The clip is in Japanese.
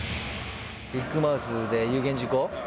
ビッグマウスで有言実行？